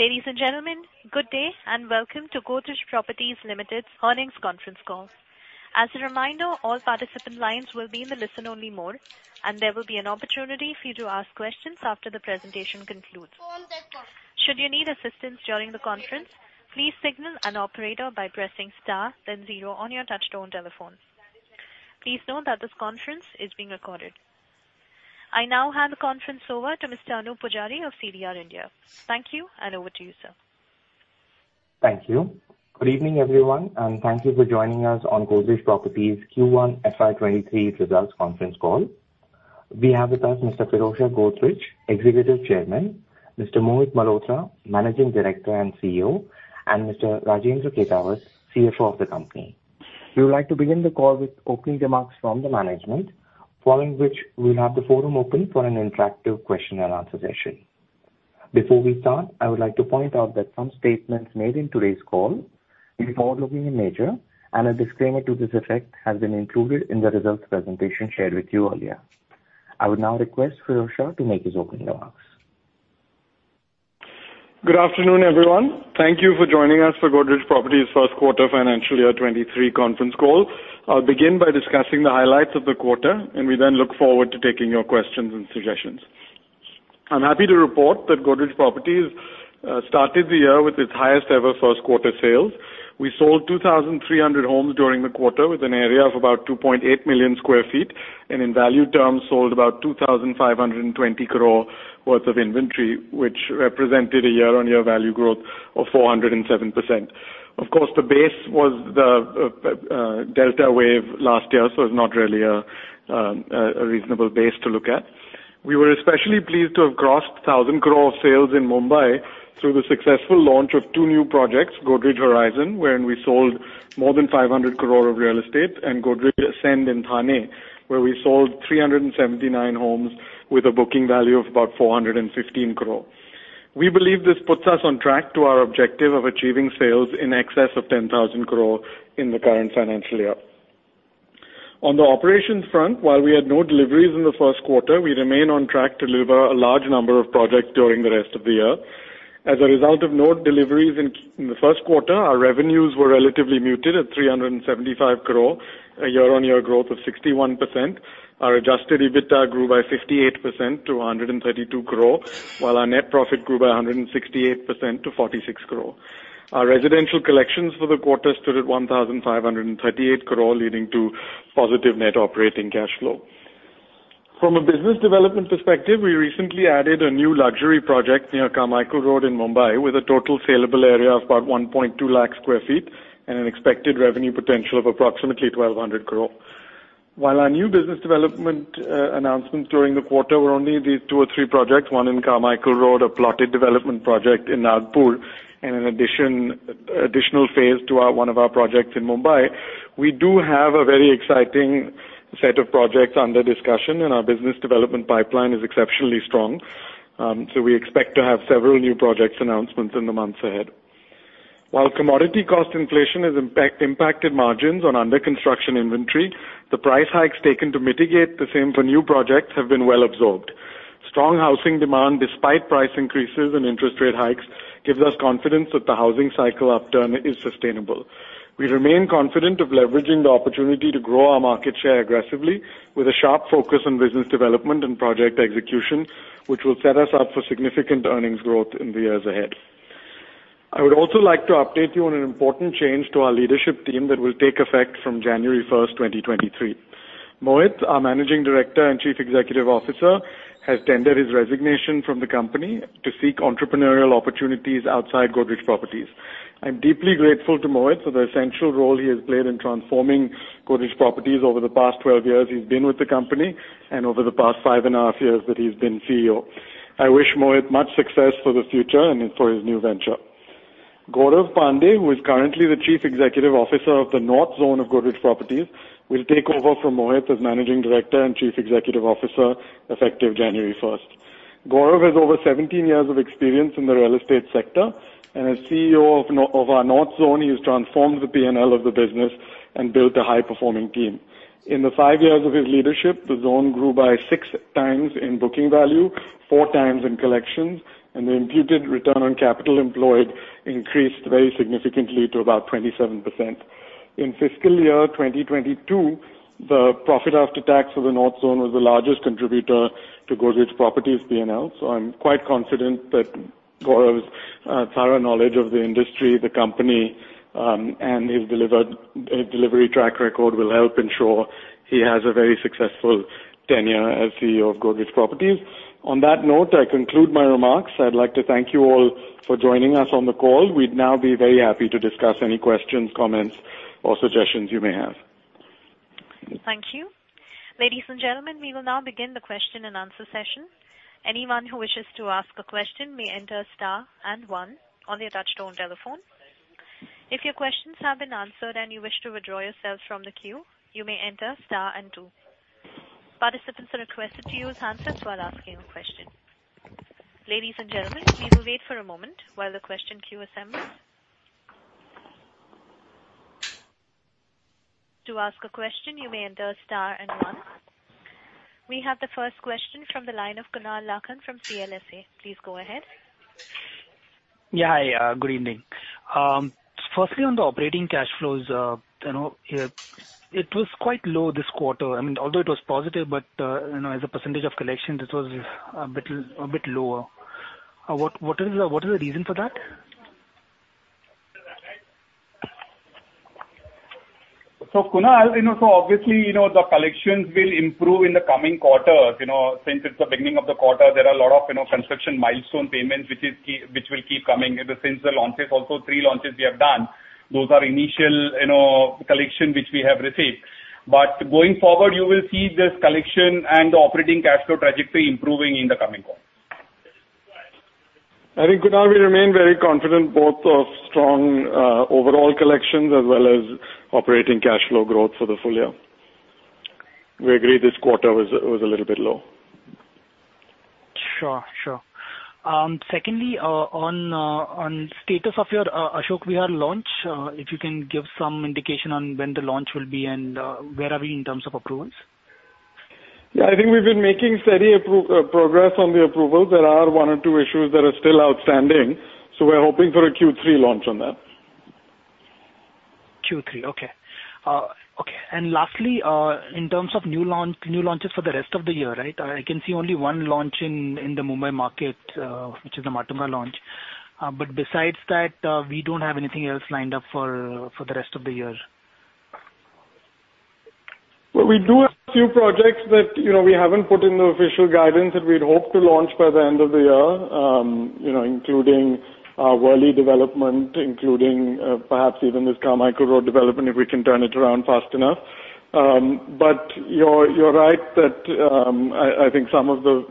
Ladies and gentlemen, good day and welcome to Godrej Properties Limited's Earnings Conference Call. As a reminder, all participant lines will be in the listen-only mode, and there will be an opportunity for you to ask questions after the presentation concludes. Should you need assistance during the conference, please signal an operator by pressing star then zero on your touchtone telephone. Please note that this conference is being recorded. I now hand the conference over to Mr. Anup Pujari of CDR India. Thank you, and over to you, sir. Thank you. Good evening, everyone, and thank you for joining us on Godrej Properties Q1 FY23 results conference call. We have with us Mr. Pirojsha Godrej, Executive Chairman, Mr. Mohit Malhotra, Managing Director and CEO, and Mr. Rajendra Khetawat, CFO of the company. We would like to begin the call with opening remarks from the management, following which we'll have the forum open for an interactive Q&A session. Before we start, I would like to point out that some statements made in today's call is forward-looking in nature and a disclaimer to this effect has been included in the results presentation shared with you earlier. I would now request Pirojsha to make his opening remarks. Good afternoon, everyone. Thank you for joining us for Godrej Properties' first quarter FY23 conference call. I'll begin by discussing the highlights of the quarter, and we then look forward to taking your questions and suggestions. I'm happy to report that Godrej Properties started the year with its highest ever first quarter sales. We sold 2,300 homes during the quarter with an area of about 2.8 million sq ft, and in value terms, sold about 2,520 crore worth of inventory, which represented a YoY value growth of 407%. Of course, the base was the delta wave last year, so it's not really a reasonable base to look at. We were especially pleased to have crossed 1,000 crore of sales in Mumbai through the successful launch of two new projects, Godrej Horizons, when we sold more than 500 crore of real estate, and Godrej Ascend in Thane, where we sold 379 homes with a booking value of about 415 crore. We believe this puts us on track to our objective of achieving sales in excess of 10,000 crore in the current financial year. On the operations front, while we had no deliveries in the first quarter, we remain on track to deliver a large number of projects during the rest of the year. As a result of no deliveries in the first quarter, our revenues were relatively muted at 375 crore, a YoY growth of 61%. Our Adjusted EBITDA grew by 58% to 132 crore, while our net profit grew by 168% to 46 crore. Our residential collections for the quarter stood at 1,538 crore, leading to positive net operating cash flow. From a business development perspective, we recently added a new luxury project near Carmichael Road in Mumbai with a total saleable area of about 1.2 lakh sq ft and an expected revenue potential of approximately 1,200 crore. While our new business development announcements during the quarter were only these two or three projects, one in Carmichael Road, a plotted development project in Nagpur, and in addition, additional phase to one of our projects in Mumbai, we do have a very exciting set of projects under discussion, and our business development pipeline is exceptionally strong. We expect to have several new projects announcements in the months ahead. While commodity cost inflation has impacted margins on under construction inventory, the price hikes taken to mitigate the same for new projects have been well absorbed. Strong housing demand despite price increases and interest rate hikes gives us confidence that the housing cycle upturn is sustainable. We remain confident of leveraging the opportunity to grow our market share aggressively with a sharp focus on business development and project execution, which will set us up for significant earnings growth in the years ahead. I would also like to update you on an important change to our leadership team that will take effect from January 1, 2023. Mohit Malhotra, our Managing Director and Chief Executive Officer, has tendered his resignation from the company to seek entrepreneurial opportunities outside Godrej Properties. I'm deeply grateful to Mohit for the essential role he has played in transforming Godrej Properties over the past 12 years he's been with the company and over the past 5.5 years that he's been CEO. I wish Mohit much success for the future and for his new venture. Gaurav Pandey, who is currently the Chief Executive Officer of the North Zone of Godrej Properties, will take over from Mohit as Managing Director and Chief Executive Officer effective January first. Gaurav has over 17 years of experience in the real estate sector. As CEO of our North Zone, he has transformed the P&L of the business and built a high-performing team. In the five years of his leadership, the zone grew by six times in booking value, four times in collections, and the imputed return on capital employed increased very significantly to about 27%. In fiscal year 2022, the profit after tax for the North Zone was the largest contributor to Godrej Properties' P&L. I'm quite confident that Gaurav's thorough knowledge of the industry, the company, and his delivery track record will help ensure he has a very successful tenure as CEO of Godrej Properties. On that note, I conclude my remarks. I'd like to thank you all for joining us on the call. We'd now be very happy to discuss any questions, comments, or suggestions you may have. Thank you. Ladies and gentlemen, we will now begin the Q&A session. Anyone who wishes to ask a question may enter star and one on your touchtone telephone. If your questions have been answered and you wish to withdraw yourself from the queue, you may enter star and two. Participants are requested to use a handset while asking a question. Ladies and gentlemen, please wait for a moment while the question queue assembles. To ask a question, you may enter star and one. We have the first question from the line of Kunal Lakhan from CLSA. Please go ahead. Yeah. Hi, good evening. Firstly on the operating cash flows, you know, it was quite low this quarter. I mean, although it was positive, but, you know, as a percentage of collection, it was a bit lower. What is the reason for that? Kunal, you know, so obviously, you know, the collections will improve in the coming quarters. You know, since it's the beginning of the quarter, there are a lot of, you know, construction milestone payments, which will keep coming. Since the launches also, three launches we have done. Those are initial, you know, collection which we have received. Going forward, you will see this collection and operating cash flow trajectory improving in the coming quarter. I think, Kunal, we remain very confident both of strong, overall collections as well as operating cash flow growth for the full year. We agree this quarter was a little bit low. Sure. Secondly, on status of your Ashok Vihar launch, if you can give some indication on when the launch will be and where are we in terms of approvals? Yeah. I think we've been making steady progress on the approvals. There are one or two issues that are still outstanding, so we're hoping for a Q3 launch on that. Q3, okay. Okay. Lastly, in terms of new launch, new launches for the rest of the year, right? I can see only one launch in the Mumbai market, which is the Matunga launch. Besides that, we don't have anything else lined up for the rest of the year. Well, we do have a few projects that, you know, we haven't put in the official guidance that we'd hope to launch by the end of the year. You know, including our Worli development, perhaps even this Carmichael Road development, if we can turn it around fast enough. You're right that I think some of the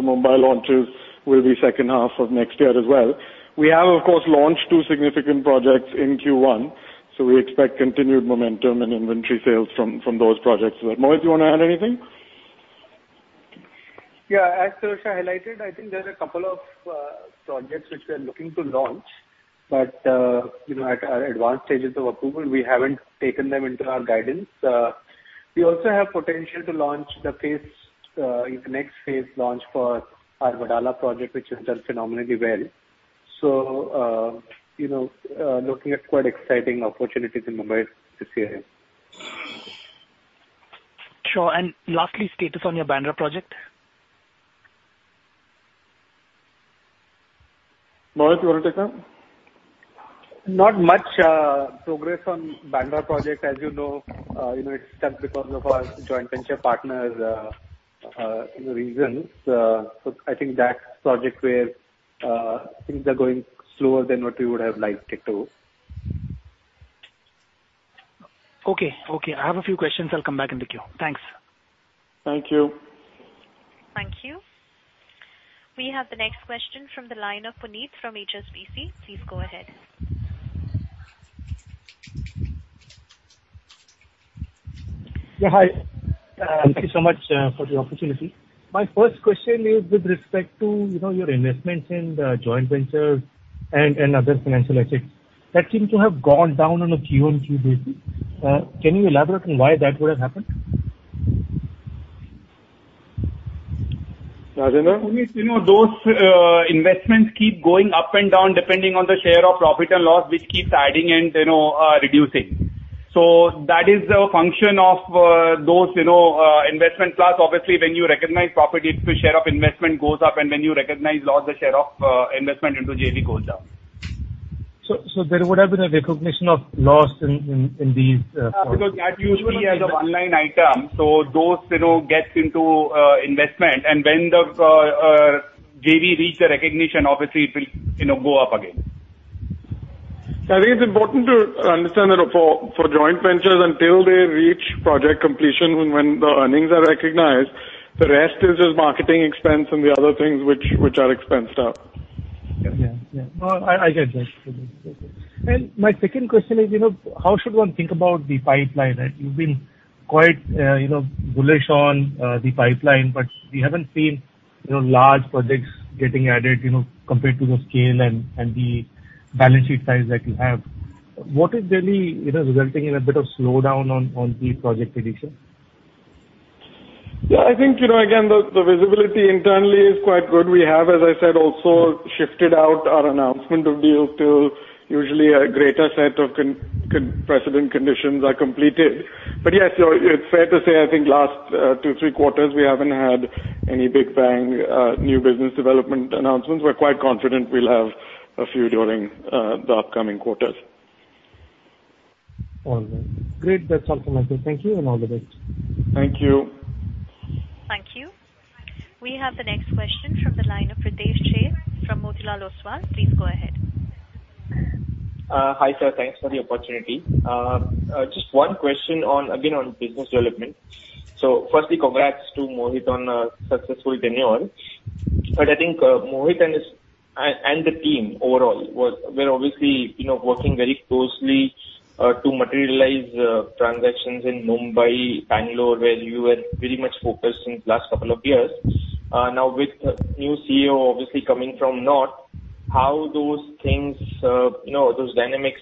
Mumbai launches will be second half of next year as well. We have, of course, launched two significant projects in Q1, so we expect continued momentum and inventory sales from those projects as well. Mohit, you wanna add anything? Yeah. As Tushar highlighted, I think there are a couple of projects which we are looking to launch, but you know, at advanced stages of approval, we haven't taken them into our guidance. We also have potential to launch the next phase for our Wadala project, which has done phenomenally well. You know, looking at quite exciting opportunities in Mumbai this year. Sure. Lastly, status on your Bandra project? Mohit, you wanna take that? Not much progress on Bandra project. As you know, you know, it's stuck because of our joint venture partners', you know, reasons. I think that project, where things are going slower than what we would have liked it to. Okay. I have a few questions. I'll come back in the queue. Thanks. Thank you. Thank you. We have the next question from the line of Puneet from HSBC. Please go ahead. Yeah, hi. Thank you so much for the opportunity. My first question is with respect to your investments in the joint ventures and other financial assets. That seems to have gone down on a QoQ basis. Can you elaborate on why that would have happened? Rajendra? Puneet, you know, those investments keep going up and down depending on the share of profit and loss which keeps adding and, you know, reducing. That is a function of those, you know, investment. Plus obviously, when you recognize profit, it's the share of investment goes up, and when you recognize loss, the share of investment into JV goes down. There would have been a recognition of loss in these projects? Yeah. Because that usually is a one-line item. That, you know, gets into investment. When the JV reaches revenue recognition, obviously it will, you know, go up again. I think it's important to understand that for joint ventures, until they reach project completion when the earnings are recognized, the rest is just marketing expense and the other things which are expensed out. Yeah. Yeah. No, I get it. My second question is, you know, how should one think about the pipeline? You've been quite, you know, bullish on the pipeline, but we haven't seen, you know, large projects getting added, you know, compared to the scale and the balance sheet size that you have. What is really, you know, resulting in a bit of slowdown on the project acquisition? Yeah. I think, you know, again, the visibility internally is quite good. We have, as I said, also shifted out our announcement of deals till usually a greater set of precedent conditions are completed. But yes, you know, it's fair to say I think last two, three quarters we haven't had any big bang new business development announcements. We're quite confident we'll have a few during the upcoming quarters. All right. Great. That's all from my side. Thank you and all the best. Thank you. Thank you. We have the next question from the line of Ritesh Jain from Motilal Oswal. Please go ahead. Hi, sir. Thanks for the opportunity. Just one question on, again, on business development. Firstly, congrats to Mohit on a successful tenure. I think Mohit and his and the team overall were obviously, you know, working very closely to materialize transactions in Mumbai, Bangalore, where you were very much focused in last couple of years. Now with new CEO obviously coming from north. How those things, you know, those dynamics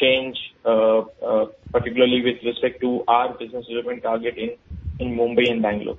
change, particularly with respect to our business development target in Mumbai and Bangalore.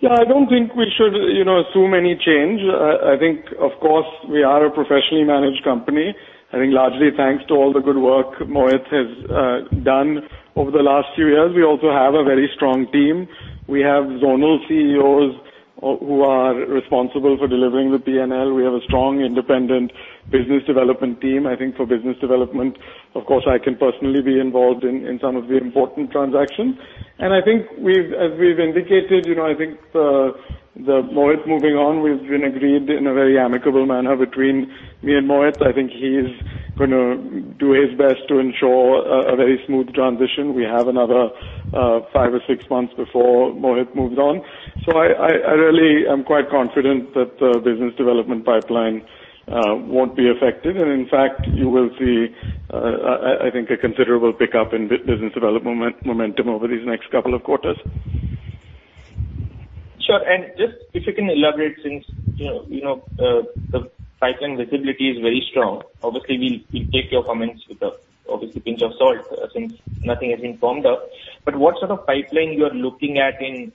Yeah, I don't think we should, you know, assume any change. I think, of course, we are a professionally managed company, I think largely thanks to all the good work Mohit has done over the last few years. We also have a very strong team. We have zonal CEOs who are responsible for delivering the P&L. We have a strong independent business development team, I think for business development. Of course, I can personally be involved in some of the important transactions. I think as we've indicated, you know, I think Mohit moving on, we've agreed in a very amicable manner between me and Mohit. I think he's gonna do his best to ensure a very smooth transition. We have another five or six months before Mohit moves on. I really am quite confident that the business development pipeline won't be affected. In fact, you will see, I think a considerable pickup in business development momentum over these next couple of quarters. Sure. Just if you can elaborate since, you know, the pipeline visibility is very strong. Obviously, we'll take your comments with a pinch of salt since nothing has been firmed up. What sort of pipeline you are looking at in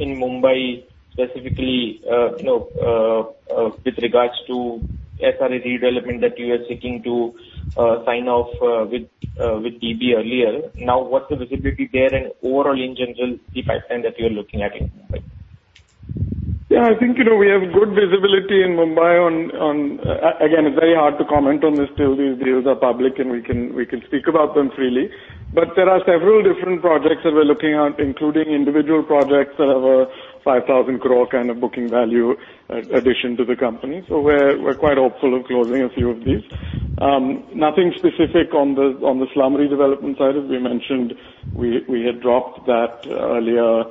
Mumbai specifically, with regards to SRA redevelopment that you are seeking to sign off with DB earlier. What's the visibility there and overall in general, the pipeline that you're looking at in Mumbai? I think, you know, we have good visibility in Mumbai. Again, it's very hard to comment on this till these deals are public and we can speak about them freely. There are several different projects that we're looking at, including individual projects that have an 5,000 crore kind of booking value addition to the company. We're quite hopeful of closing a few of these. Nothing specific on the slum redevelopment side. As we mentioned, we had dropped that earlier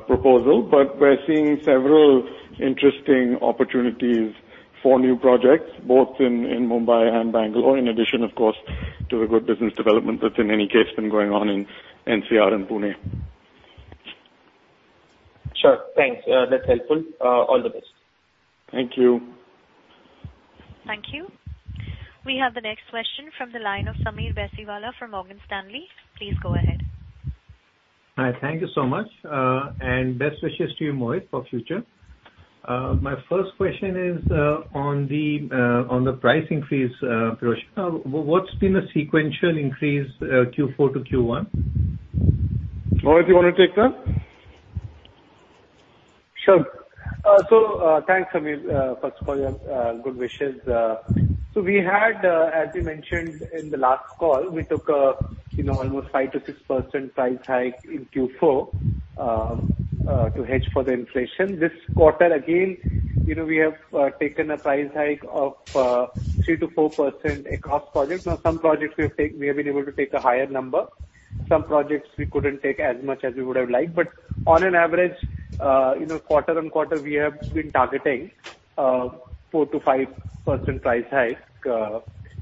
proposal, but we're seeing several interesting opportunities for new projects both in Mumbai and Bengaluru, in addition, of course, to the good business development that's in any case been going on in NCR and Pune. Sure. Thanks. That's helpful. All the best. Thank you. Thank you. We have the next question from the line of Sameer Baisiwala from Morgan Stanley. Please go ahead. Hi. Thank you so much. Best wishes to you, Mohit, for future. My first question is on the price increase, Piyush. What's been the sequential increase, Q4 to Q1? Mohit, you wanna take that? Sure. Thanks, Sameer, first for your good wishes. We had, as we mentioned in the last call, we took a, you know, almost 5%-6% price hike in Q4 to hedge for the inflation. This quarter, again, you know, we have taken a price hike of 3%-4% across projects. Now, some projects we have been able to take a higher number. Some projects we couldn't take as much as we would have liked. On an average, you know, QoQ, we have been targeting 4%-5% price hike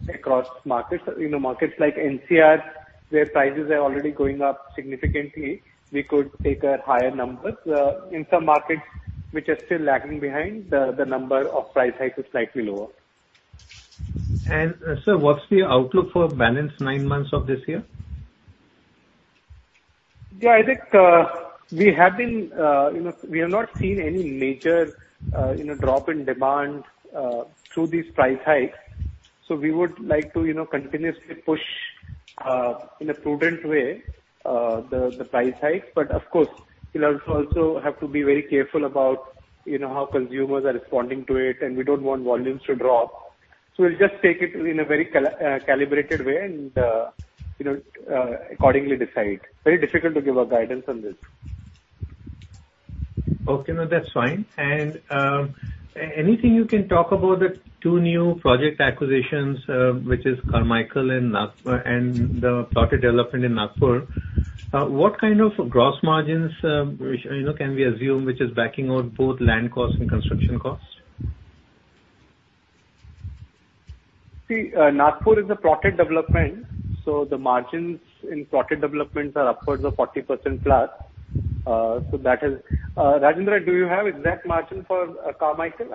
across markets. You know, markets like NCR, where prices are already going up significantly, we could take a higher number. In some markets which are still lagging behind, the number of price hikes is slightly lower. Sir, what's the outlook for balance nine months of this year? Yeah, I think we have been, you know, we have not seen any major, you know, drop in demand through these price hikes. We would like to, you know, continuously push, in a prudent way, the price hikes. Of course, we'll also have to be very careful about, you know, how consumers are responding to it, and we don't want volumes to drop. We'll just take it in a very calibrated way and, you know, accordingly decide. Very difficult to give a guidance on this. Okay. No, that's fine. Anything you can talk about the two new project acquisitions, which is Carmichael and Nagpur and the plotted development in Nagpur. What kind of gross margins can we assume, which is backing out both land costs and construction costs? See, Nagpur is a plotted development, so the margins in plotted developments are upwards of +40%. Rajendra, do you have exact margin for Carmichael?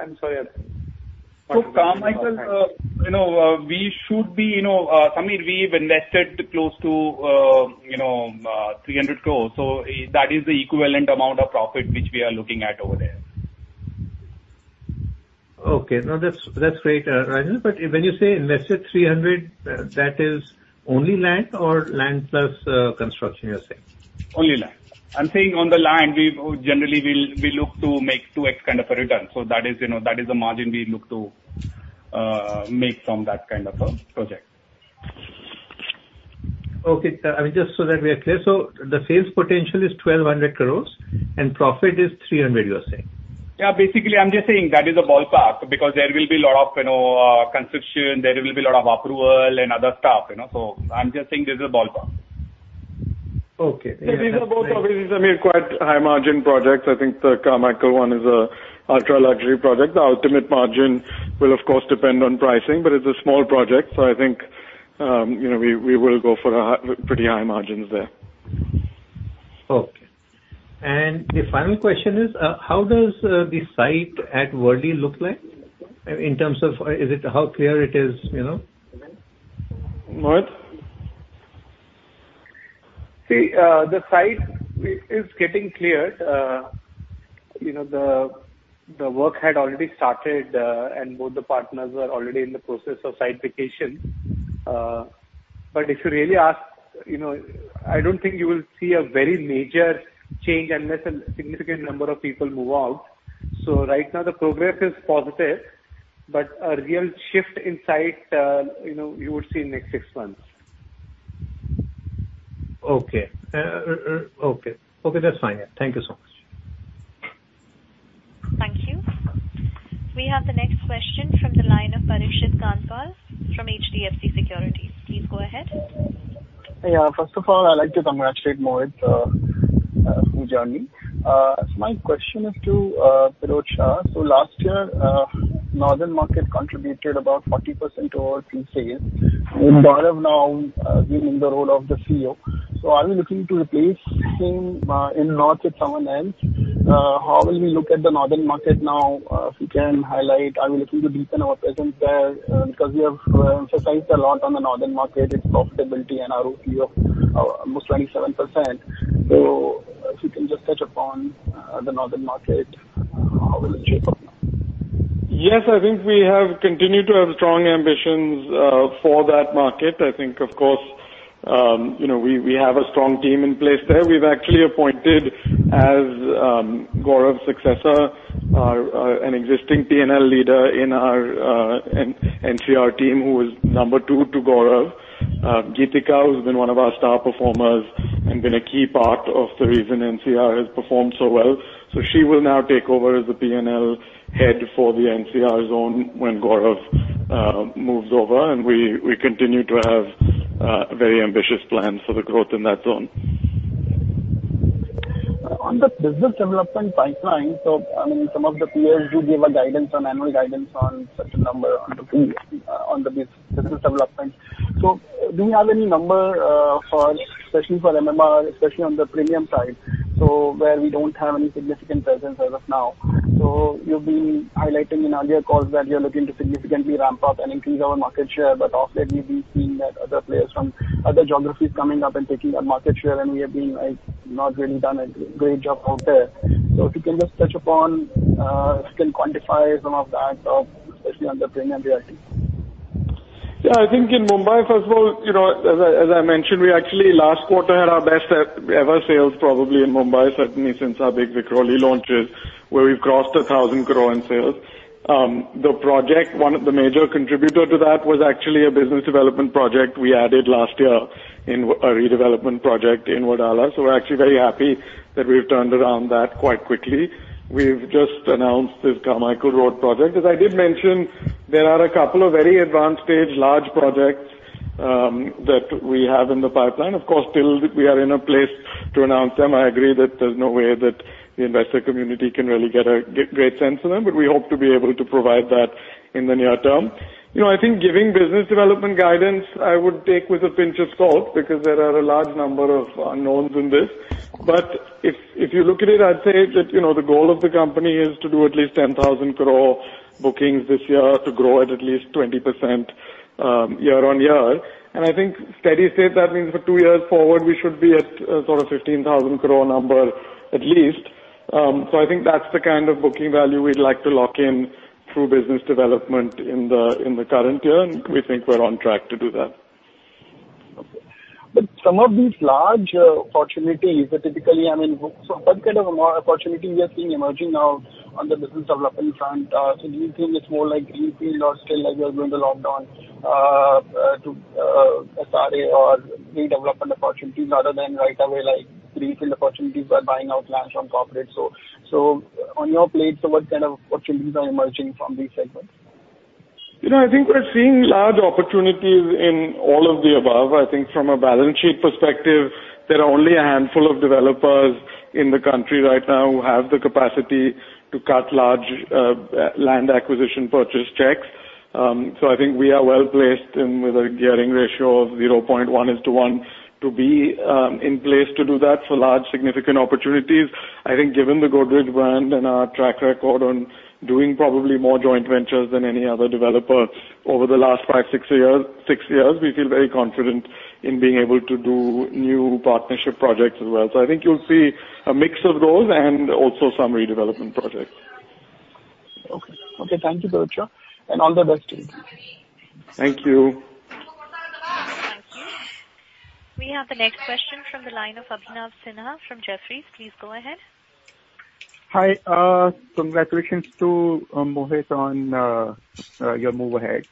I'm sorry. For Carmichael, you know, we should be, you know, Sameer, we've invested close to, you know, 300 crore, so that is the equivalent amount of profit which we are looking at over there. Okay. No, that's great, Rajendra. When you say invested 300, that is only land or land plus construction, you're saying? Only land. I'm saying on the land, generally we'll look to make 2x kind of a return. That is, you know, that is the margin we look to make from that kind of a project. Okay. I mean, just so that we are clear. The sales potential is 1,200 crores and profit is 300 crores, you are saying? Yeah, basically I'm just saying that is a ballpark because there will be a lot of, you know, construction. There will be a lot of approval and other stuff, you know. I'm just saying this is a ballpark. Okay. Yeah, yeah. These are both obviously, Sameer, quite high margin projects. I think the Carmichael one is a ultra-luxury project. The ultimate margin will of course depend on pricing, but it's a small project. I think, you know, we will go for a pretty high margins there. Okay. The final question is, how does the site at Worli look like in terms of, is it how clear it is, you know? Mohit? See, the site is getting cleared. You know, the work had already started, and both the partners were already in the process of site vacation. But if you really ask, you know, I don't think you will see a very major change unless a significant number of people move out. Right now the progress is positive, but a real shift in site, you know, you would see in the next six months. Okay. Okay, that's fine. Thank you so much. Thank you. We have the next question from the line of Parikshit Kandpal from HDFC Securities. Please go ahead. First of all, I'd like to congratulate Mohit full journey. My question is to Pirojsha Godrej. Last year, northern market contributed about 40% of our pre-sales. With Gaurav now, being in the role of the CEO. Are we looking to replace him, in North with someone else? How will we look at the Northern market now? If you can highlight, are we looking to deepen our presence there, because we have emphasized a lot on the Northern market, its profitability and our ROE of almost 27%. If you can just touch upon the Northern market, how will it shape up now? Yes, I think we have continued to have strong ambitions for that market. I think of course, you know, we have a strong team in place there. We've actually appointed an existing P&L leader in our NCR team, who is number two to Gaurav, as Gaurav's successor. Geetika, who's been one of our star performers and been a key part of the reason NCR has performed so well. She will now take over as the P&L head for the NCR zone when Gaurav moves over, and we continue to have very ambitious plans for the growth in that zone. On the business development pipeline, I mean, some of the peers who give a guidance on annual guidance on such a number on the business development. Do you have any number for especially for MMR, especially on the premium side, where we don't have any significant presence as of now. You've been highlighting in earlier calls that you're looking to significantly ramp up and increase our market share, but of late we've been seeing that other players from other geographies coming up and taking that market share, and we have been, like, not really done a great job out there. If you can just touch upon still quantify some of that, especially on the premium side. Yeah, I think in Mumbai, first of all, you know, as I mentioned, we actually last quarter had our best ever sales probably in Mumbai, certainly since our big Vikhroli launches, where we've crossed 1,000 crore in sales. The project, one of the major contributor to that was actually a business development project we added last year in a redevelopment project in Wadala. We're actually very happy that we've turned around that quite quickly. We've just announced this Carmichael Road project. As I did mention, there are a couple of very advanced stage large projects that we have in the pipeline. Of course, till we are in a place to announce them, I agree that there's no way that the investor community can really get a great sense of them, but we hope to be able to provide that in the near term. You know, I think giving business development guidance I would take with a pinch of salt because there are a large number of unknowns in this. If you look at it, I'd say that, you know, the goal of the company is to do at least 10,000 crore bookings this year to grow at least 20%, YoY. I think steady state, that means for two years forward, we should be at a sort of 15,000 crore number at least. I think that's the kind of booking value we'd like to lock in through business development in the current year, and we think we're on track to do that. Okay. Some of these large opportunities are typically, I mean, so what kind of opportunity we are seeing emerging now on the business development front? Do you think it's more like greenfield or still like you are doing redevelopment opportunities rather than right away, like greenfield opportunities by buying out large non-corporate. On your plate, so what kind of opportunities are emerging from these segments? You know, I think we're seeing large opportunities in all of the above. I think from a balance sheet perspective, there are only a handful of developers in the country right now who have the capacity to cut large land acquisition purchase checks. I think we are well placed in with a gearing ratio of 0.1:1 to be in place to do that for large significant opportunities. I think given the Godrej brand and our track record on doing probably more joint ventures than any other developer over the last five, six years, we feel very confident in being able to do new partnership projects as well. I think you'll see a mix of those and also some redevelopment projects. Okay. Okay. Thank you, Pirojsha Godrej, and all the best to you. Thank you. Thank you. We have the next question from the line of Abhinav Sinha from Jefferies. Please go ahead. Hi. Congratulations to Mohit on your move ahead.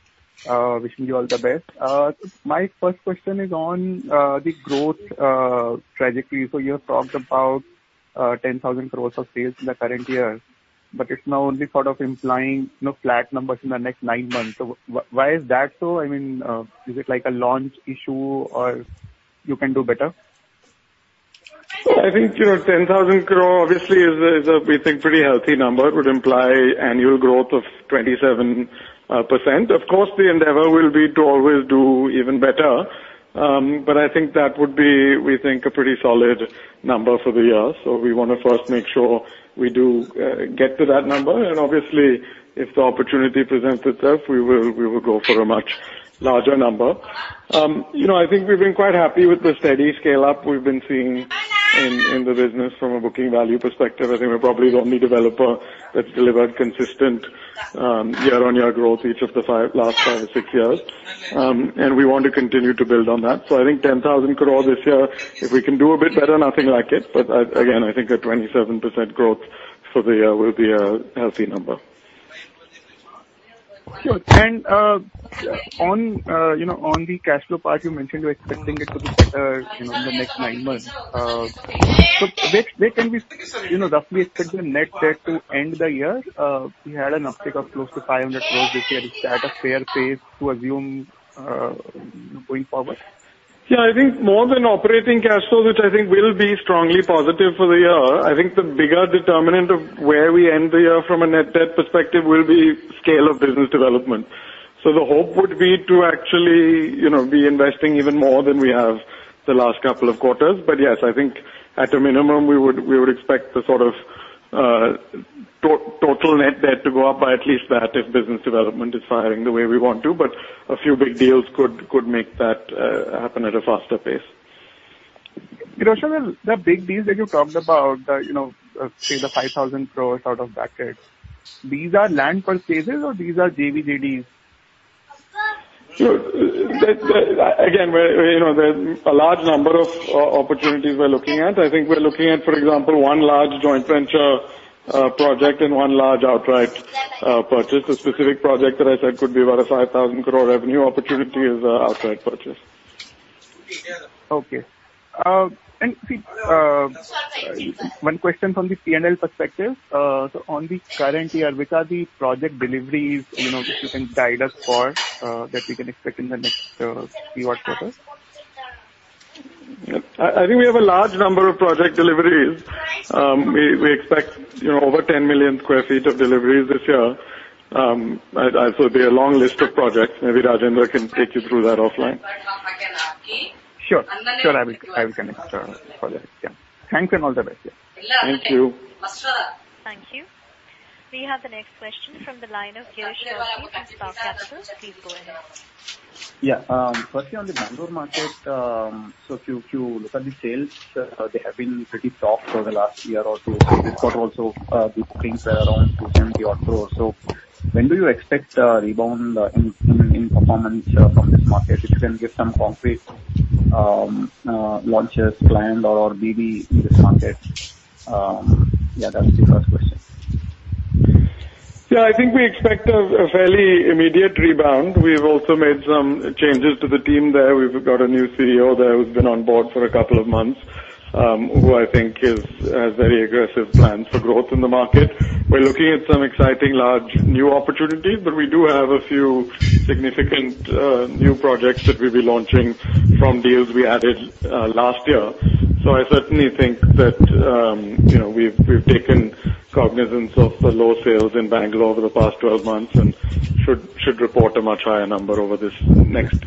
Wishing you all the best. My first question is on the growth trajectory. You have talked about 10,000 crore of sales in the current year, but it's now only sort of implying, you know, flat numbers in the next nine months. Why is that so? I mean, is it like a launch issue or you can do better? I think your 10,000 crore obviously is a we think pretty healthy number. It would imply annual growth of 27%. Of course, the endeavor will be to always do even better. I think that would be, we think, a pretty solid number for the year. We wanna first make sure we do get to that number, and obviously, if the opportunity presents itself, we will go for a much larger number. You know, I think we've been quite happy with the steady scale-up we've been seeing in the business from a booking value perspective. I think we're probably the only developer that's delivered consistent YoY growth each of the last 5 or 6 years. We want to continue to build on that. I think 10,000 crore this year, if we can do a bit better, nothing like it. Again, I think a 27% growth for the year will be a healthy number. Sure. On you know, on the cash flow part, you mentioned you're expecting it to be better, you know, in the next nine months. So where can we, you know, roughly expect the net debt to end the year? We had an uptick of close to 500 crores this year. Is that a fair pace to assume going forward? Yeah, I think more than operating cash flow, which I think will be strongly positive for the year, I think the bigger determinant of where we end the year from a net debt perspective will be scale of business development. The hope would be to actually, you know, be investing even more than we have the last couple of quarters. Yes, I think at a minimum, we would expect the sort of, total net debt to go up by at least that if business development is firing the way we want to. A few big deals could make that happen at a faster pace. You know, Sunil, the big deals that you talked about, you know, say the 5,000 crore out of that debt, these are land purchases or these are JV/JD? Sure. Again, we're, you know, there's a large number of opportunities we're looking at. I think we're looking at, for example, one large joint venture project and one large outright purchase. The specific project that I said could be about 5,000 crore revenue opportunity is a outright purchase. Okay. One question from the P&L perspective. On the current year, which are the project deliveries, you know, that you can guide us for, that we can expect in the next few quarters? I think we have a large number of project deliveries. We expect, you know, over 10 million sq ft of deliveries this year. It'll be a long list of projects. Maybe Rajendra can take you through that offline. Sure. I will connect for that. Yeah. Thanks and all the best. Yeah. Thank you. Thank you. We have the next question from the line of Girish Melkani from Stock Capitals. Please go ahead. Firstly on the Bengaluru market, if you look at the sales, they have been pretty soft for the last year or two. This quarter also, the bookings were around INR 200 crore. When do you expect a rebound in performance from this market? If you can give some concrete launches planned or BD in this market. That's the first question. Yeah, I think we expect a fairly immediate rebound. We've also made some changes to the team there. We've got a new CEO there who's been on board for a couple of months, who I think has very aggressive plans for growth in the market. We're looking at some exciting large new opportunities, but we do have a few significant new projects that we'll be launching from deals we added last year. I certainly think that, you know, we've taken cognizance of the low sales in Bangalore over the past 12 months and should report a much higher number over this next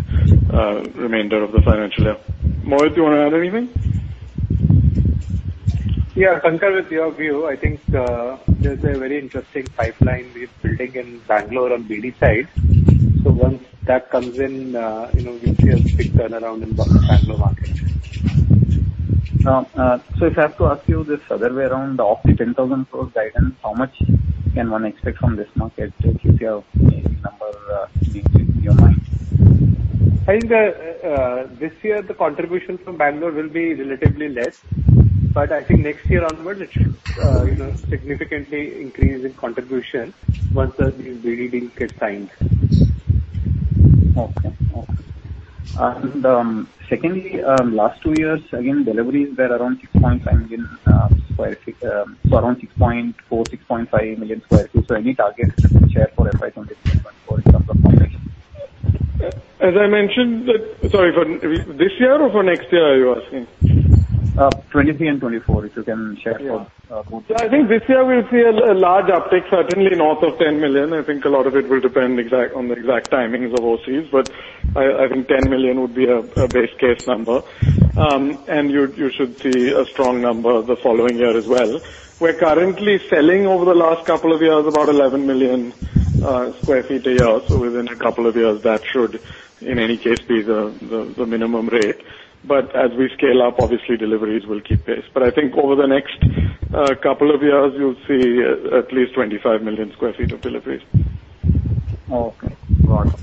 remainder of the financial year. Mohit, do you wanna add anything? Yeah. I concur with your view. I think there's a very interesting pipeline we're building in Bengaluru on BD side. Once that comes in, you know, we see a big turnaround in Bengaluru market. If I have to ask you this other way around, of the 10,000 crore guidance, how much can one expect from this market? If you have any number, in your mind. I think this year the contribution from Bangalore will be relatively less, but I think next year onwards it should, you know, significantly increase in contribution once the BD deal gets signed. Secondly, last two years, again, deliveries were around 6.5 million sq ft, so around 6.4, 6.5 million sq ft. Any targets you can share for FY 2024 in terms of deliveries? Sorry, for this year or for next year are you asking? 2023 and 2024, if you can share for both years. Yeah, I think this year we'll see a large uptick, certainly north of 10 million. I think a lot of it will depend on the exact timings of OCs, but I think 10 million would be a base case number. You should see a strong number the following year as well. We're currently selling over the last couple of years about 11 million sq ft a year. Within a couple of years that should, in any case, be the minimum rate. As we scale up, obviously deliveries will keep pace. I think over the next couple of years you'll see at least 25 million sq ft of deliveries. Okay. Got it.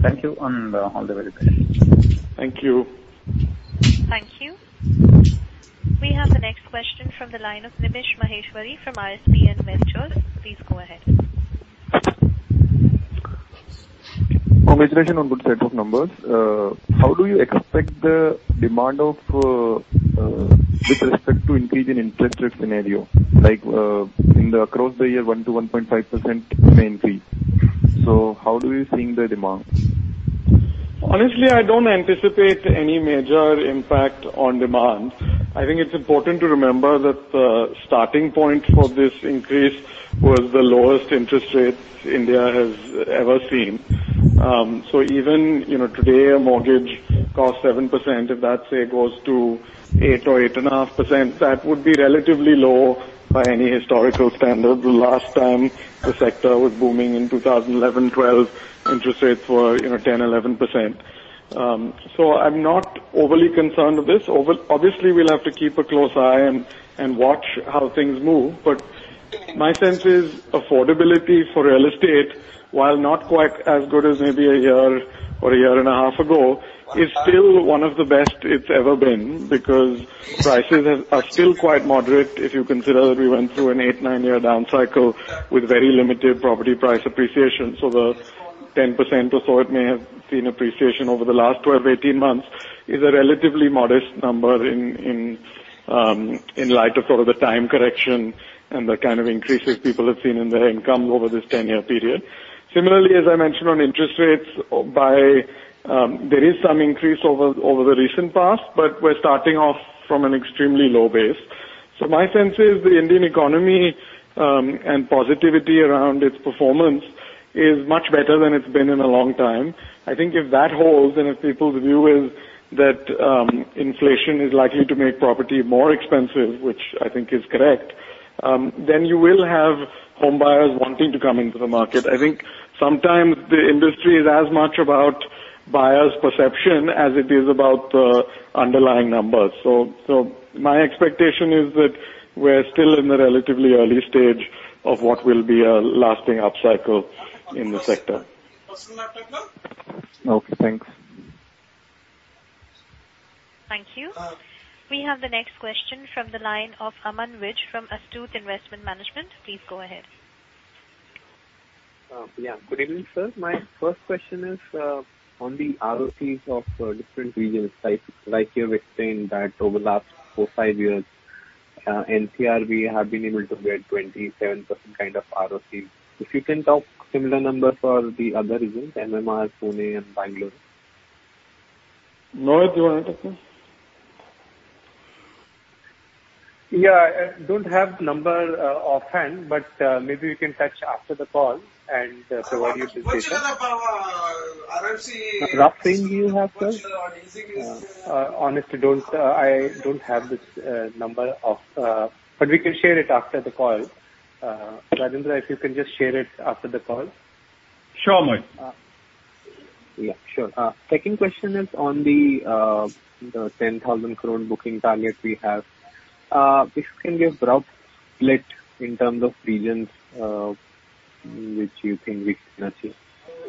Thank you, and all the very best. Thank you. Thank you. We have the next question from the line of Nimish Maheshwari from RSPN Ventures. Please go ahead. Congratulations on good set of numbers. How do you expect the demand of, with respect to increase in interest rate scenario? Like, in the course of the year 1%-1.5% may increase. How do you see the demand? Honestly, I don't anticipate any major impact on demand. I think it's important to remember that the starting point for this increase was the lowest interest rates India has ever seen. Even, you know, today a mortgage costs 7%, if that, say, goes to 8% or 8.5%, that would be relatively low by any historical standard. The last time the sector was booming in 2011, 2012, interest rates were, you know, 10%, 11%. I'm not overly concerned with this. Obviously we'll have to keep a close eye and watch how things move. My sense is affordability for real estate, while not quite as good as maybe a year or a year and a half ago, is still one of the best it's ever been because prices are still quite moderate if you consider that we went through an 8 year-9 year down cycle with very limited property price appreciation. The 10% or so it may have seen appreciation over the last 12 months-18 months is a relatively modest number in light of sort of the time correction and the kind of increases people have seen in their income over this 10-year period. Similarly, as I mentioned on interest rates, there is some increase over the recent past, but we're starting off from an extremely low base. My sense is the Indian economy, and positivity around its performance is much better than it's been in a long time. I think if that holds, and if people's view is that, inflation is likely to make property more expensive, which I think is correct, then you will have homebuyers wanting to come into the market. I think sometimes the industry is as much about buyers' perception as it is about the underlying numbers. My expectation is that we're still in the relatively early stage of what will be a lasting upcycle in the sector. Okay, thanks. Thank you. We have the next question from the line of Aman Vij from Astute Investment Management. Please go ahead. Good evening, sir. My first question is on the RoCs of different regions. Like, you've explained that over the last 4 years-5 years, NCR we have been able to get 27% kind of RoC. If you can talk similar number for the other regions, MMR, Pune and Bangalore. Mohit, you wanna take this? Yeah. I don't have number offhand, but maybe we can touch after the call and provide you with the details. Rough thing you have, sir? Honestly don't. I don't have this number off. We can share it after the call. Rajendra, if you can just share it after the call. Sure, Mohit. Yeah, sure. Second question is on the 10,000 crore booking target we have. If you can give rough split in terms of regions, which you think we can achieve.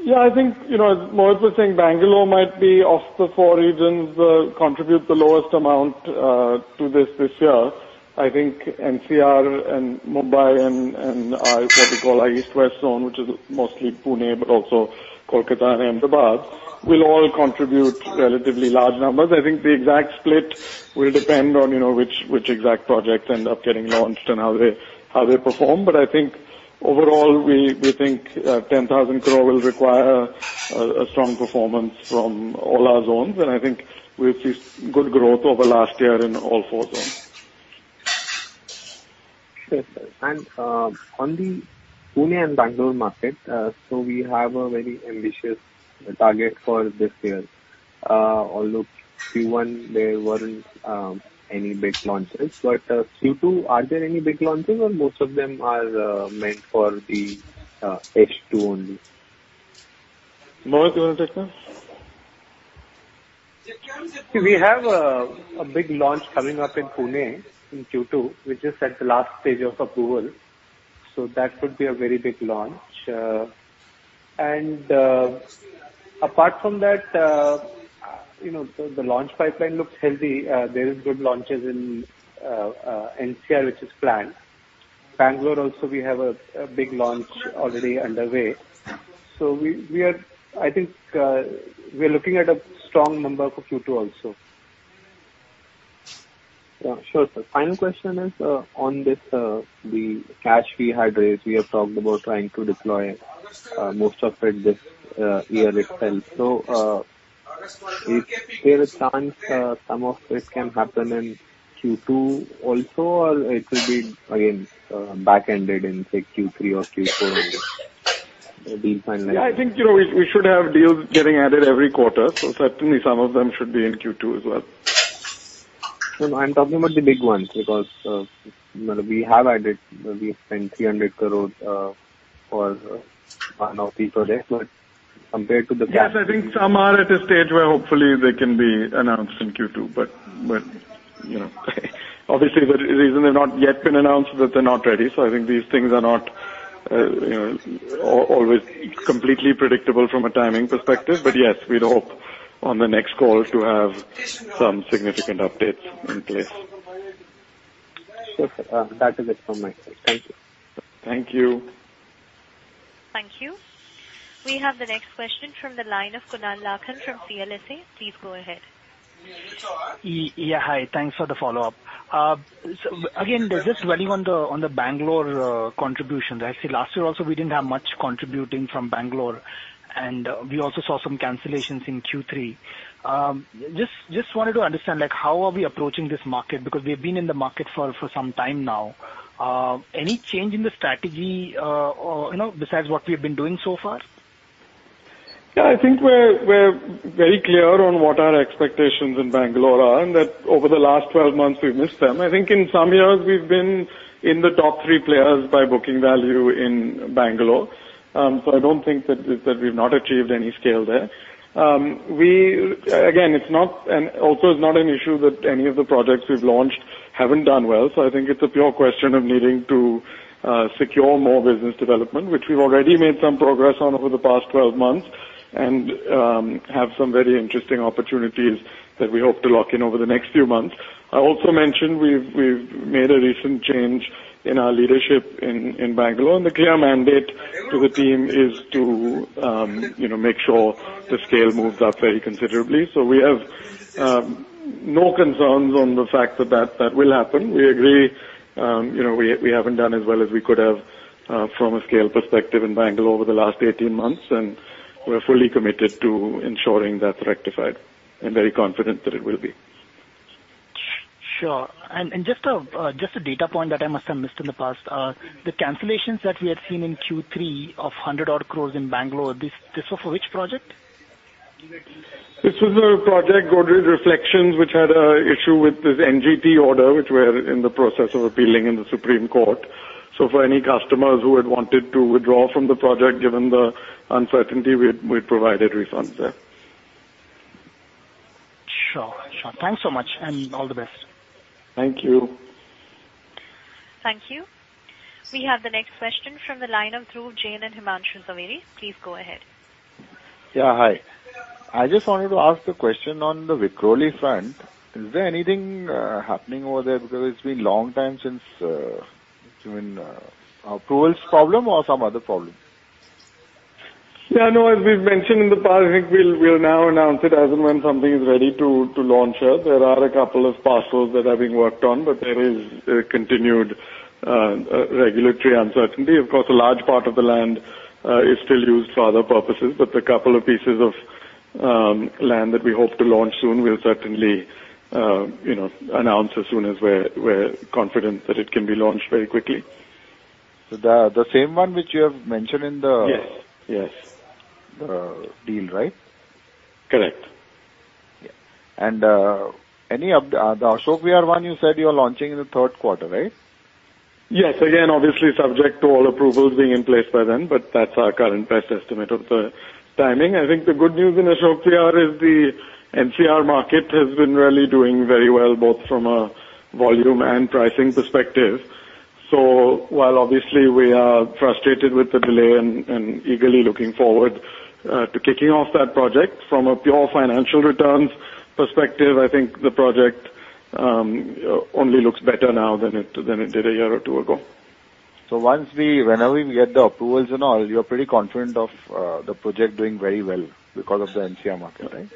Yeah, I think, you know, as Mohit was saying, Bengaluru might be, of the four regions, contribute the lowest amount to this year. I think NCR and Mumbai and what we call our East-West zone, which is mostly Pune, but also Kolkata and Ahmedabad, will all contribute relatively large numbers. I think the exact split will depend on, you know, which exact projects end up getting launched and how they perform. I think overall, we think 10,000 crore will require a strong performance from all our zones, and I think we've seen good growth over last year in all four zones. Sure, sir. On the Pune and Bangalore market, so we have a very ambitious target for this year. Although Q1 there weren't any big launches, but Q2, are there any big launches or most of them are meant for the H2 only? Mohit, you wanna take this? We have a big launch coming up in Pune in Q2, which is at the last stage of approval, so that could be a very big launch. Apart from that, you know, the launch pipeline looks healthy. There is good launches in NCR which is planned. Bengaluru also we have a big launch already underway. We are, I think, looking at a strong number for Q2 also. Yeah. Sure, sir. Final question is on this, the cash we had raised. We have talked about trying to deploy most of it this year itself. Is there a chance some of this can happen in Q2 also, or it will be again backended in, say, Q3 or Q4 maybe? Do you find like? Yeah, I think, you know, we should have deals getting added every quarter, so certainly some of them should be in Q2 as well. No, no, I'm talking about the big ones because, you know, we have spent INR 300 crores for one or two projects, but compared to the cash. Yes, I think some are at a stage where hopefully they can be announced in Q2. You know, obviously the reason they've not yet been announced is that they're not ready. I think these things are not, you know, always completely predictable from a timing perspective. Yes, we'd hope on the next call to have some significant updates in place. Sure, sir. That is it from my side. Thank you. Thank you. Thank you. We have the next question from the line of Kunal Lakhan from CLSA. Please go ahead. Yeah. Hi. Thanks for the follow-up. So again, just valuation on the Bangalore contributions. I see last year also we didn't have much contribution from Bangalore, and we also saw some cancellations in Q3. Just wanted to understand, like how are we approaching this market because we've been in the market for some time now. Any change in the strategy, or you know, besides what we've been doing so far? Yeah, I think we're very clear on what our expectations in Bangalore are, and that over the last 12 months we've missed them. I think in some years we've been in the top three players by booking value in Bangalore. I don't think that we've not achieved any scale there. Also, it's not an issue that any of the projects we've launched haven't done well, so I think it's a pure question of needing to secure more business development, which we've already made some progress on over the past 12 months and have some very interesting opportunities that we hope to lock in over the next few months. I also mentioned we've made a recent change in our leadership in Bangalore, and the clear mandate to the team is to you know make sure the scale moves up very considerably. We have no concerns on the fact that it will happen. We agree you know we haven't done as well as we could have from a scale perspective in Bangalore over the last 18 months, and we're fully committed to ensuring that's rectified, and very confident that it will be. Sure. Just a data point that I must have missed in the past. The cancellations that we had seen in Q3 of 100-odd crore in Bangalore, this was for which project? This was a project, Godrej Reflections, which had an issue with this NGT order, which we're in the process of appealing in the Supreme Court. For any customers who had wanted to withdraw from the project, given the uncertainty, we provided refunds there. Sure. Sure. Thanks so much, and all the best. Thank you. Thank you. We have the next question from the line of Dhruv Jain and Himanshu Zaveri. Please go ahead. Yeah, hi. I just wanted to ask a question on the Vikhroli front. Is there anything happening over there? Because it's been long time since it's been approvals problem or some other problem? Yeah, no, as we've mentioned in the past, I think we'll now announce it as and when something is ready to launch there. There are a couple of parcels that are being worked on, but there is a continued regulatory uncertainty. Of course, a large part of the land is still used for other purposes. The couple of pieces of land that we hope to launch soon, we'll certainly, you know, announce as soon as we're confident that it can be launched very quickly. The same one which you have mentioned in the the deal, right? Yes. Yes. Correct. Yeah. The Ashok Vihar one you said you are launching in the third quarter, right? Yes. Again, obviously subject to all approvals being in place by then, but that's our current best estimate of the timing. I think the good news in Ashok Vihar is the NCR market has been really doing very well, both from a volume and pricing perspective. While obviously we are frustrated with the delay and eagerly looking forward to kicking off that project, from a pure financial returns perspective, I think the project only looks better now than it did a year or two ago. Whenever we get the approvals and all, you're pretty confident of the project doing very well because of the NCR market, right?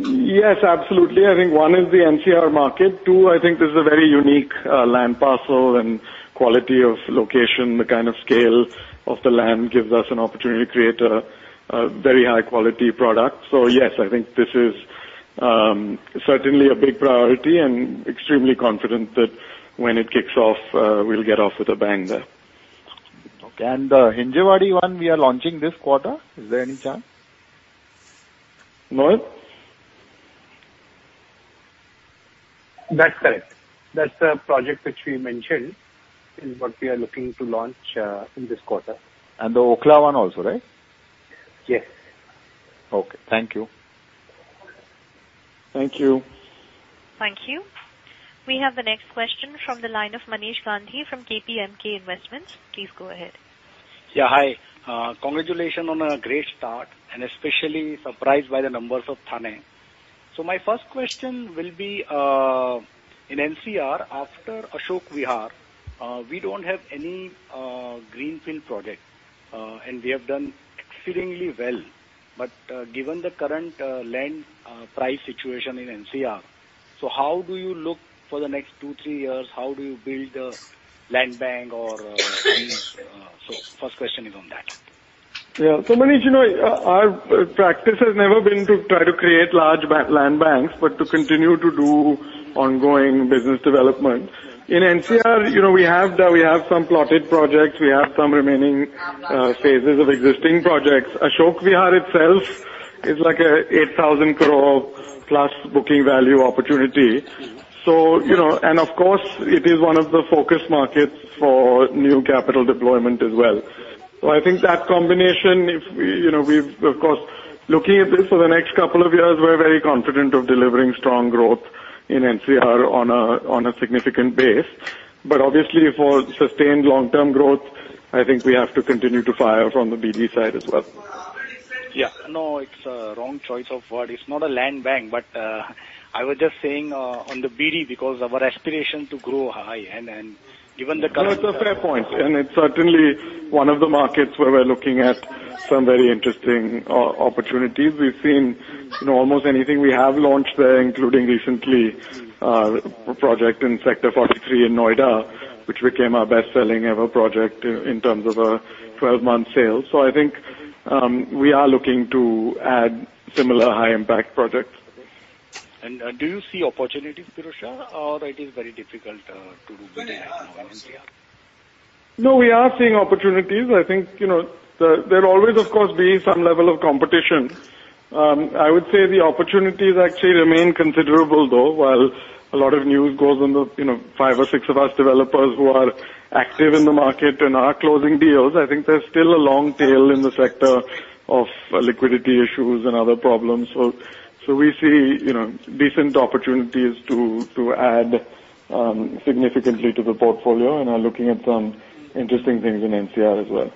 Yes, absolutely. I think one is the NCR market. Two, I think this is a very unique land parcel and quality of location. The kind of scale of the land gives us an opportunity to create a very high quality product. Yes, I think this is certainly a big priority and extremely confident that when it kicks off, we'll get off with a bang there. Okay. Hinjewadi One we are launching this quarter? Is there any chance? Mohit? That's correct. That's the project which we mentioned is what we are looking to launch in this quarter. The Okhla one also, right? Yes. Okay. Thank you. Thank you. Thank you. We have the next question from the line of Manish Gandhi from K PM K Investments. Please go ahead. Yeah, hi. Congratulations on a great start, and especially surprised by the numbers of Thane. My first question will be in NCR, after Ashok Vihar. We don't have any greenfield project, and we have done exceedingly well. Given the current land price situation in NCR, how do you look for the next two, three years? How do you build a land bank or any. First question is on that. Yeah. Manish, you know, our practice has never been to try to create large land banks, but to continue to do ongoing business development. In NCR, you know, we have some plotted projects, we have some remaining phases of existing projects. Ashok Vihar itself is like a +8,000 crore booking value opportunity. You know. Of course, it is one of the focus markets for new capital deployment as well. I think that combination, you know, we've. Of course, looking at this for the next couple of years, we're very confident of delivering strong growth in NCR on a significant base. Obviously for sustained long-term growth, I think we have to continue to fire from the BD side as well. Yeah. No, it's a wrong choice of word. It's not a land bank. I was just saying on the BD because our aspiration to grow high and then given the current. No, it's a fair point, and it's certainly one of the markets where we're looking at some very interesting opportunities. We've seen, you know, almost anything we have launched there, including recently, a project in Sector 43 in Noida, which became our best-selling ever project in terms of, 12 months sales. I think, we are looking to add similar high impact projects. Do you see opportunities, Pirojsha, or it is very difficult to do business now in India? No, we are seeing opportunities. I think, you know, there always, of course, being some level of competition. I would say the opportunities actually remain considerable, though, while a lot of news goes on the, you know, five or six of us developers who are active in the market and are closing deals. I think there's still a long tail in the sector of liquidity issues and other problems. We see, you know, decent opportunities to add significantly to the portfolio and are looking at some interesting things in NCR as well.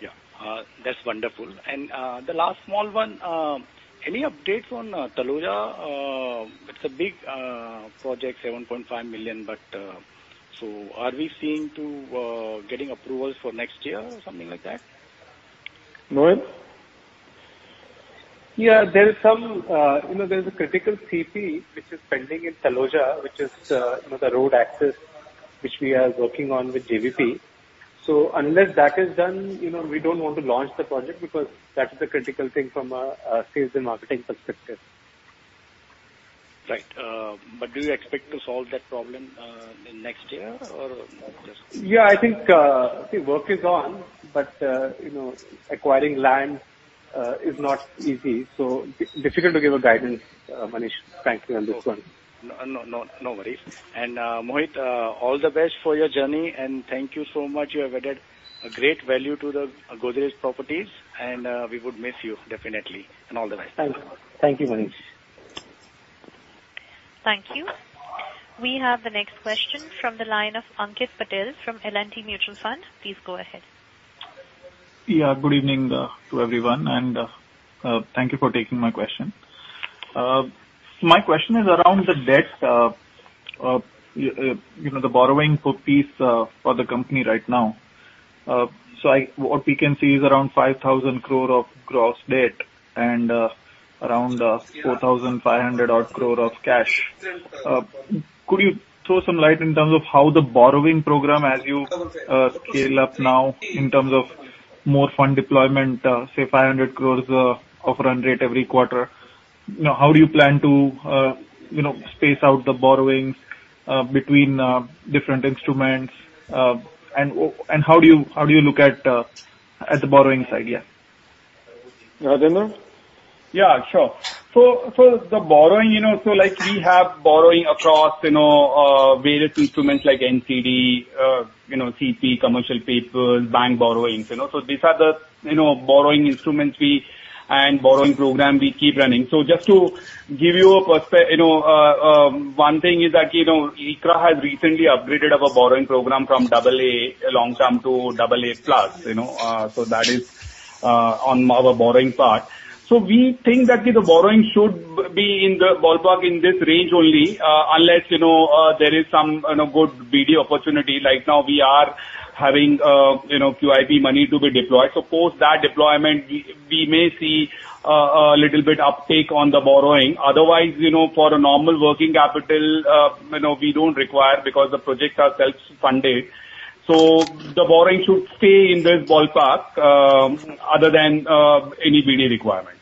Yeah, that's wonderful. The last small one, any updates on Taloja? It's a big project, 7.5 million, but so are we seeing to getting approvals for next year or something like that? Mohit? Yeah. You know, there is a critical CP which is pending in Taloja, which is you know the road access, which we are working on with JNPT. Unless that is done, you know, we don't want to launch the project because that is the critical thing from a sales and marketing perspective. Right. Do you expect to solve that problem in next year or more just? Yeah, I think work is on, but you know, acquiring land is not easy, so difficult to give a guidance, Manish, frankly, on this one. No worries. Mohit, all the best for your journey, and thank you so much. You have added a great value to Godrej Properties, and we would miss you definitely. All the best. Thank you. Thank you, Manish. Thank you. We have the next question from the line of Ankit Patel from L&T Mutual Fund. Please go ahead. Yeah, good evening to everyone, and thank you for taking my question. My question is around the debt, you know, the borrowing for projects for the company right now. What we can see is around 5,000 crore of gross debt and around 4,500 odd crore of cash. Could you throw some light in terms of how the borrowing program as you scale up now in terms of more fund deployment, say 500 crores of run rate every quarter. You know, how do you plan to you know, space out the borrowings between different instruments? How do you look at the borrowings side, yeah. Rajendra? Yeah, sure. The borrowing, you know, so like we have borrowing across, you know, various instruments like NCD, you know, CP, commercial papers, bank borrowings. You know, so these are the, you know, borrowing instruments we have, and borrowing program we keep running. Just to give you know, one thing is that, you know, ICRA has recently upgraded our borrowing program from double A long-term to double A plus, you know, so that is on our borrowing part. We think that the borrowing should be in the ballpark in this range only, unless, you know, there is some, you know, good BD opportunity. Like now we are having, you know, QIP money to be deployed. Post that deployment, we may see a little bit uptick on the borrowing. Otherwise, you know, for a normal working capital, you know, we don't require because the projects are self-funded. The borrowing should stay in this ballpark, other than any BD requirement.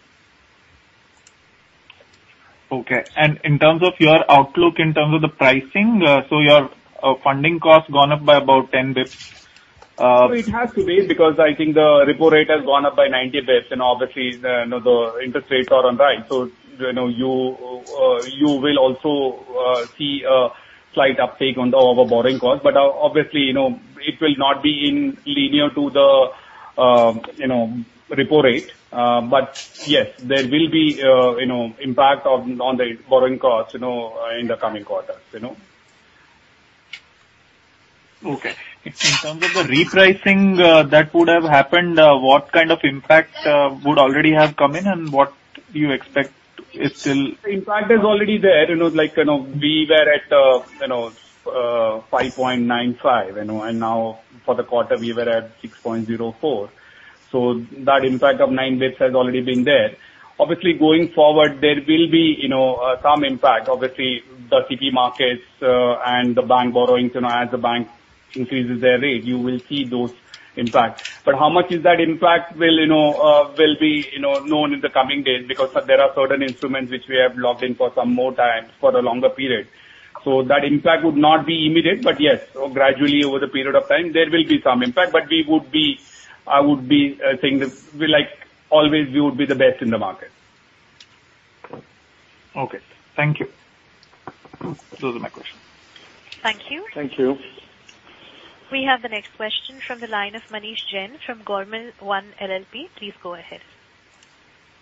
Okay. In terms of your outlook, in terms of the pricing, so your funding cost gone up by about 10 basis points. It has to be because I think the repo rate has gone up by 90 basis points and obviously, you know, the interest rates are on the rise. You know, you will also see a slight uptake on our borrowing cost. Obviously, you know, it will not be in line with the repo rate. Yes, there will be you know impact on the borrowing costs, you know, in the coming quarters, you know. Okay. In terms of the repricing that would have happened, what kind of impact would already have come in and what do you expect is still- Impact is already there. You know, like, you know, we were at, you know, 5.95%, you know, and now for the quarter we were at 6.04%. That impact of nine basis points has already been there. Obviously, going forward, there will be, you know, some impact. Obviously, the CP markets and the bank borrowings, you know, as the bank increases their rate, you will see those impacts. But how much is that impact will be, you know, known in the coming days because there are certain instruments which we have locked in for some more time, for a longer period. That impact would not be immediate. But yes, gradually over the period of time there will be some impact. But we would be. I would be saying that we, like always, we would be the best in the market. Okay. Thank you. Those are my questions. Thank you. Thank you. We have the next question from the line of Manish Jain from Gorman One LLP. Please go ahead.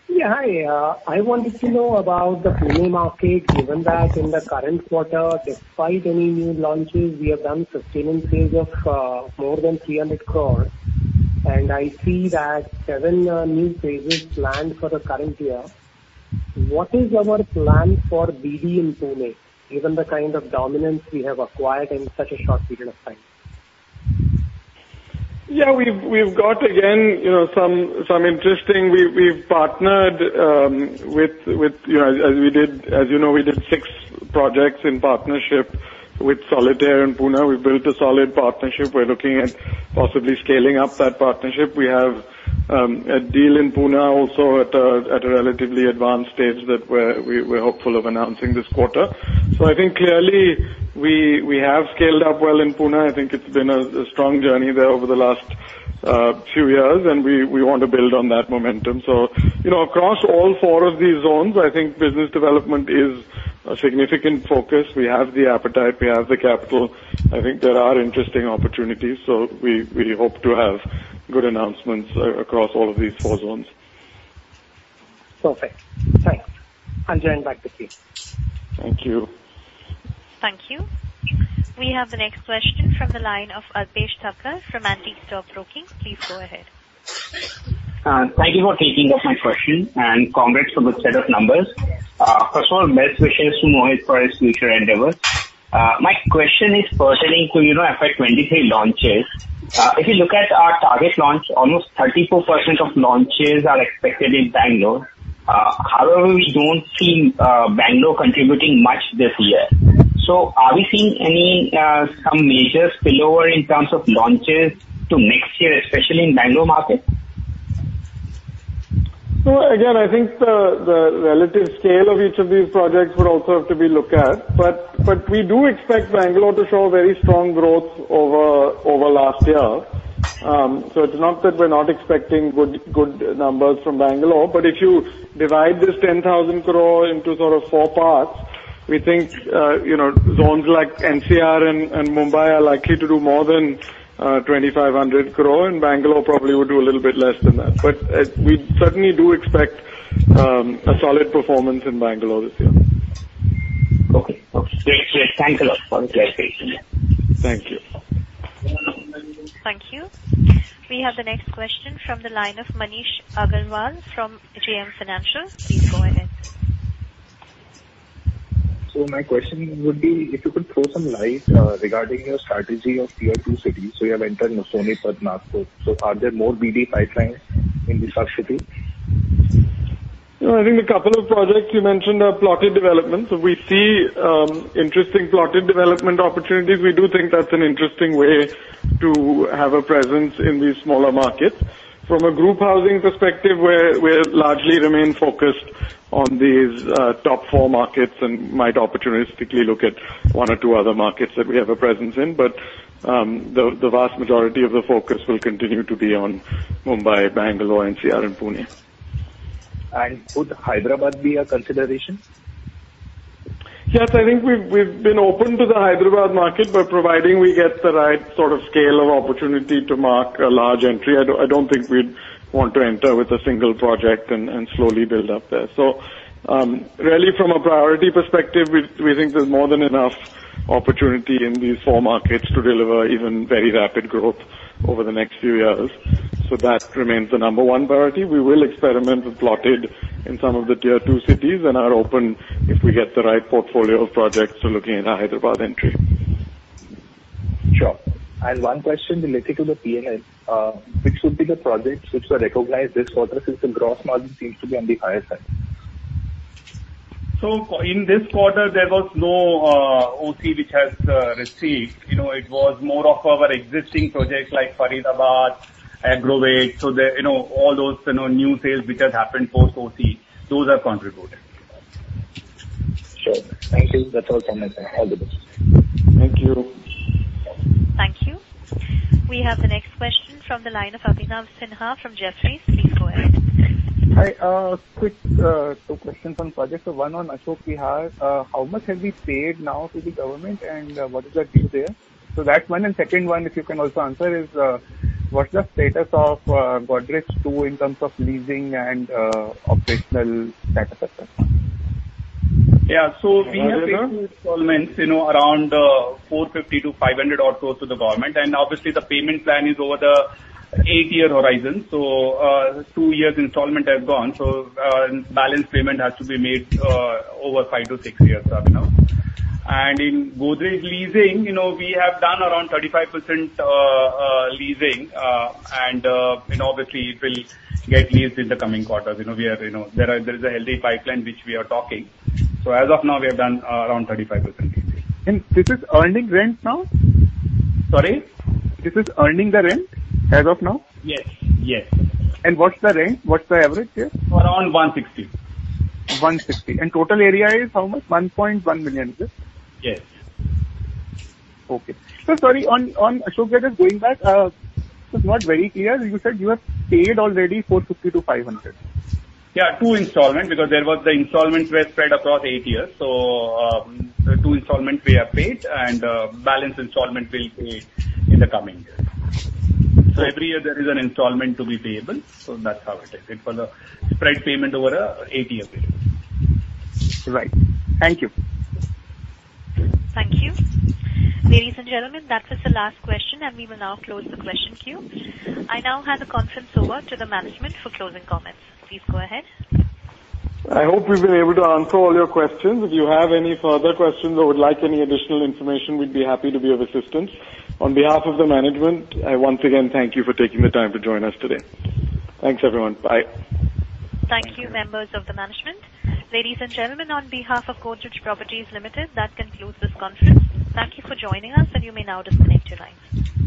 Yeah, hi. I wanted to know about the Pune market, given that in the current quarter, despite any new launches, we have done sustaining sales of more than 300 crore. I see that seven new phases planned for the current year. What is our plan for BD in Pune, given the kind of dominance we have acquired in such a short period of time? Yeah, we've got again, you know, some interesting. We've partnered with, you know, as we did, as you know, we did six projects in partnership with Solitaire in Pune. We've built a solid partnership. We're looking at possibly scaling up that partnership. We have a deal in Pune also at a relatively advanced stage that we're hopeful of announcing this quarter. I think clearly we have scaled up well in Pune. I think it's been a strong journey there over the last few years, and we want to build on that momentum. You know, across all four of these zones, I think business development is a significant focus. We have the appetite, we have the capital. I think there are interesting opportunities, so we hope to have good announcements across all of these four zones. Perfect. Thanks. I'll join back with you. Thank you. Thank you. We have the next question from the line of Alpesh Thakkar from Antique Stock Broking. Please go ahead. Thank you for taking up my question, and congrats on the set of numbers. First of all, best wishes to Mohit for his future endeavors. My question is pertaining to, you know, FY23 launches. If you look at our target launch, almost 34% of launches are expected in Bangalore. However, we don't see Bangalore contributing much this year. Are we seeing any, some major spillover in terms of launches to next year, especially in Bangalore market? Again, I think the relative scale of each of these projects would also have to be looked at. We do expect Bangalore to show very strong growth over last year. It's not that we're not expecting good numbers from Bangalore. If you divide this 10,000 crore into sort of four parts, we think zones like NCR and Mumbai are likely to do more than 2,500 crore, and Bangalore probably would do a little bit less than that. We certainly do expect a solid performance in Bangalore this year. Okay. Great. Thanks a lot for the clarification. Thank you. Thank you. We have the next question from the line of Manish Agrawal from JM Financial. Please go ahead. My question would be if you could throw some light regarding your strategy of tier two cities. You have entered Nashik, Nagpur. Are there more BD pipelines in these other cities? No, I think a couple of projects you mentioned are plotted developments. We see interesting plotted development opportunities. We do think that's an interesting way to have a presence in these smaller markets. From a group housing perspective, we largely remain focused on these top four markets and might opportunistically look at one or two other markets that we have a presence in. The vast majority of the focus will continue to be on Mumbai, Bangalore, NCR and Pune. Could Hyderabad be a consideration? Yes, I think we've been open to the Hyderabad market, but provided we get the right sort of scale of opportunity to make a large entry. I don't think we'd want to enter with a single project and slowly build up there. Really from a priority perspective, we think there's more than enough opportunity in these four markets to deliver even very rapid growth over the next few years. That remains the number one priority. We will experiment with plotted in some of the tier two cities and are open if we get the right portfolio of projects to looking at a Hyderabad entry. Sure. One question related to the P&L. Which would be the projects which were recognized this quarter since the gross margin seems to be on the higher side? In this quarter, there was no OC which has received. You know, it was more of our existing projects like Faridabad, Agrovet. You know, all those new sales which has happened post OC, those are contributed. Sure. Thank you. That's all from my side. All the best. Thank you. Thank you. We have the next question from the line of Abhinav Sinha from Jefferies. Please go ahead. Hi. Quick, two questions on projects. One on Ashok Vihar. How much have we paid now to the government, and what is the deal there? That's one. Second one, if you can also answer, is what's the status of Godrej Two in terms of leasing and operational data such as that? Yeah. We have paid two installments, you know, around 450-500 crore to the government. Obviously the payment plan is over the eight years horizon. Two years installment has gone. Balance payment has to be made over 5 years-6 years, Abhinav. In Godrej Two, you know, we have done around 35%, leasing, and obviously it will get leased in the coming quarters. You know, there is a healthy pipeline which we are talking to. As of now we have done around 35% leasing. This is earning rent now? Sorry? This is earning the rent as of now? Yes. Yes. What's the rent? What's the average here? Around 160. 160. Total area is how much? 1.1 million, is it? Yes. Okay. Sorry, on Ashok Vihar, just going back, it was not very clear. You said you have paid already 450-500. Yeah, two installments, because the installments were spread across eight years. Two installments we have paid, and balance installment we'll pay in the coming years. Every year there is an installment to be payable, so that's how it is. It's for the spread payment over an eight-year period. Right. Thank you. Thank you. Ladies and gentlemen, that was the last question, and we will now close the question queue. I now hand the conference over to the management for closing comments. Please go ahead. I hope we've been able to answer all your questions. If you have any further questions or would like any additional information, we'd be happy to be of assistance. On behalf of the management, I once again thank you for taking the time to join us today. Thanks, everyone. Bye. Thank you, members of the management. Ladies and gentlemen, on behalf of Godrej Properties Limited, that concludes this conference. Thank you for joining us, and you may now disconnect your lines.